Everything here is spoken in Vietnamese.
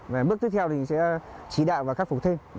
và bước tiếp theo thì sẽ trí đạo và khắc phục thêm